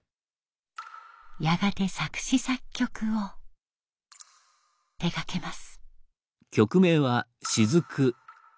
やがて作詞・作曲を手がけます。